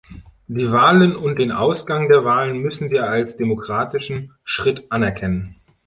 Die Wahlen und den Ausgang der Wahlen müssen wir als demokratischen Schritt anerkennen.